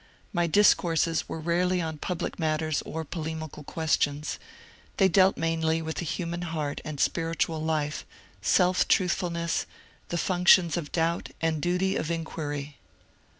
My discourses were rarely on public matters or polemical questions; they dealt mainly with the human heart and spiritual life, self* truthfulness, the functions of doubt and duty of inquiry.